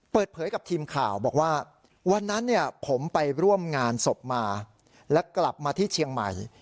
เปิดเผยกับทีมข่าวบอกว่าวันนั้นผมไปร่วมงานศพมาและกลับมาที่เชียงใหม่